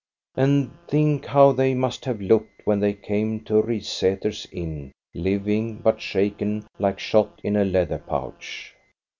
And think how they must have looked when they came to Rissater's inn, living, but shaken like shot in a leather pouch.